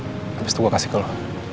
habis itu gue kasih ke lo